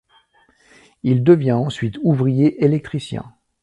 Il devient ensuite ouvrier électricien.